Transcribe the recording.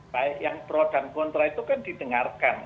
baik yang pro dan kontra itu kan didengarkan